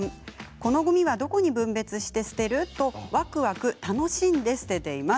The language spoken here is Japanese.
このごみはどこに分別して捨てるとわくわく楽しんで捨てています。